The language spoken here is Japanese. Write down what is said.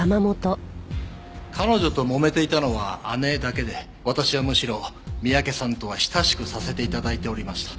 彼女ともめていたのは姉だけで私はむしろ三宅さんとは親しくさせて頂いておりました。